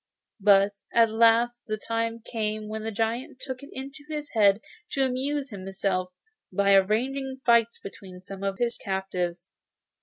But at last the time came when the giant took it into his head to amuse himself by arranging fights between some of his captives.